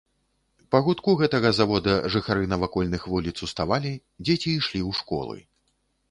Па гудку гэтага завода жыхары навакольных вуліц уставалі, дзеці ішлі ў школы.